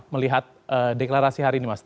melihat deklarasi hari ini mas